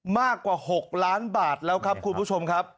มากกว่า๖ล้านบาทแล้วครับคุณผู้ชมครับ